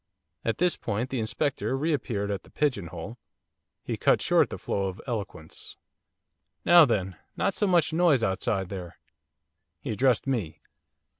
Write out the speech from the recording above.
At this point the Inspector re appeared at the pigeon hole. He cut short the flow of eloquence. 'Now then, not so much noise outside there!' He addressed me.